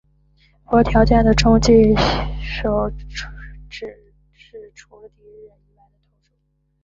符合条件的中继投手指的是除了第一任以外的投手。